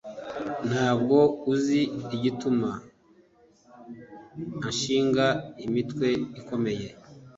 ntabwo uzi igituma ashinga imitwe ikomeye,